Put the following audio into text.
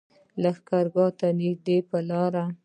لښکرګاه ته نږدې پر لاره.